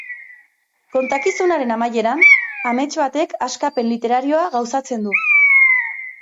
Kontakizunaren amaieran, amets batek askapen literarioa gauzatzen du.